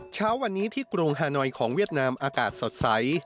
เช้าวันนี้ที่กรุงฮานอยของเวียดนามอากาศสดใส